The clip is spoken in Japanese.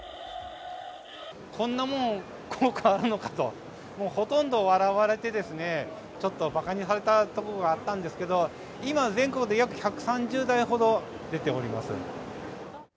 こんなもん、効果あるのかと、ほとんど笑われて、ちょっとばかにされたところがあったんですけど、今、全国で約１３０台ほど出ております。